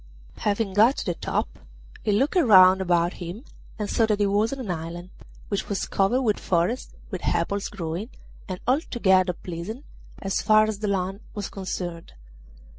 Having got to the top, he looked round about him and saw that he was on an island, which was covered with forest, with apples growing, and altogether pleasant as far as the land was concerned.